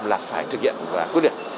là phải thực hiện và quyết liệt